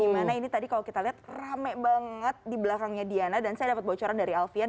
dimana ini tadi kalau kita lihat rame banget di belakangnya diana dan saya dapat bocoran dari alfian